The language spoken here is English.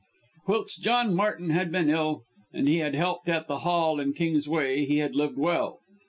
Whilst John Martin had been ill, and he had helped at the Hall in Kings way, he had lived well.